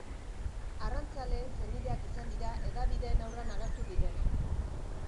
Arrantzaleen senideak izan dira hedabideen aurrean agertu direnak.